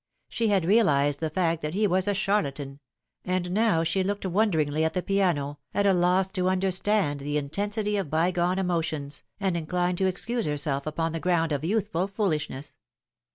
She had realised the fact that he was a charlatan ; and now she looked wonder iugly at the piano, at a loss to understand the intensity of by gone emotions, and inclined to excuse herself upon the ground of youthful foolishness.